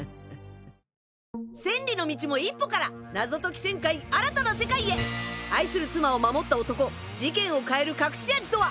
千里の道も一歩から謎解き１０００回新たな世界へ愛する妻を守った男事件を変える隠し味とは？